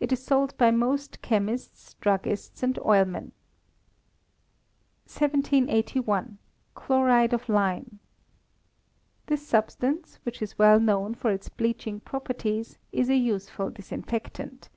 It is sold by most chemists, druggists, and oilmen. 1781. Chloride of Lime. This substance, which is well known for its bleaching properties is a useful disinfectant.